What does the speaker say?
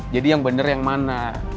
jadi yang bener yang mana